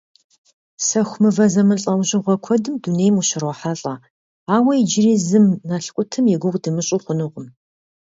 Сэху мывэ зэмылӀэужьыгъуэ куэдым дунейм ущрохьэлӀэ, ауэ иджыри зым налкъутым и гугъу дымыщӀу хъункъым.